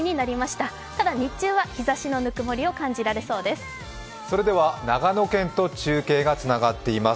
ただ日中は日ざしのぬくもりを感じられそうです。